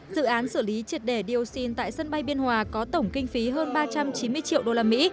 dự án xử lý triệt đề dioxin tại sân bay biên hòa có tổng kinh phí hơn ba trăm chín mươi triệu usd